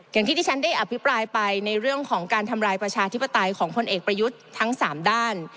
อย่างที่ที่ฉันได้อภิปรายไปในเรื่องของการทำลายประชาธิปไตยของพลเอกประยุทธ์ทั้ง๓ด้าน